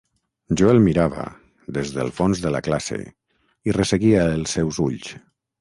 Jo el mirava, des del fons de la classe, i resseguia els seus ulls.